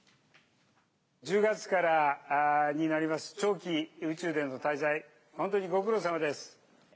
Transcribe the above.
１０月からになります、長期宇宙での滞在、本当にご苦労さまです。